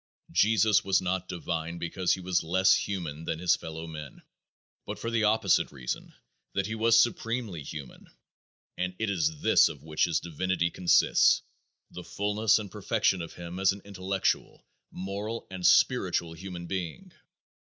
Jesus was not divine because he was less human than his fellowmen but for the opposite reason that he was supremely human, and it is this of which his divinity consists, the fullness and perfection of him as an intellectual, moral and spiritual human being.